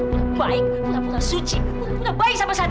kamu pula baik pula pula suci pula pula baik sama satria